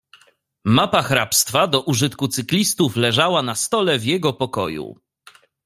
"Mapa hrabstwa do użytku cyklistów leżała na stole w jego pokoju."